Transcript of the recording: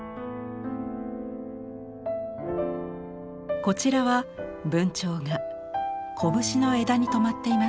こちらは文鳥がこぶしの枝に止まっています。